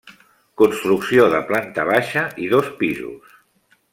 Construcció de planta baixa i dos pisos.